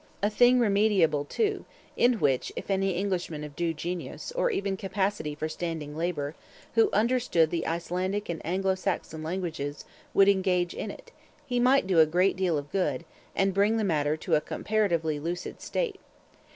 A thing remediable, too, in which, if any Englishman of due genius (or even capacity for standing labor), who understood the Icelandic and Anglo Saxon languages, would engage in it, he might do a great deal of good, and bring the matter into a comparatively lucid state.